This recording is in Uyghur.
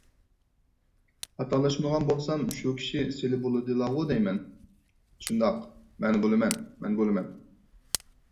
_ خاتالاشمىغان بولسام شۇ كىشى سىلى بولىدىلاغۇ دەيمەن؟ − شۇنداق، مەن بولىمەن، مەن بولىمەن.